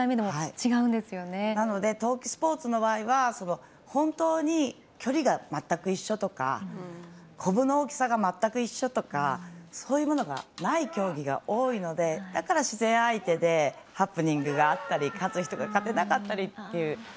なので、冬季スポーツの場合は本当に距離が全く一緒とかコブの大きさが全く一緒とかそういうものがない競技が多いのでだから自然相手でハプニングがあったり勝つ人が勝てなかったりっていう。